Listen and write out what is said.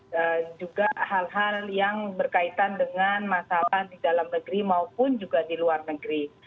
dan juga hal hal yang berkaitan dengan masalah di dalam negeri maupun juga di luar negeri